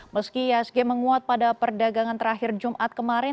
meski ihsg menguat pada perdagangan terakhir jumat kemarin